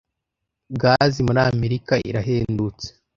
Gazi muri Amerika irahendutse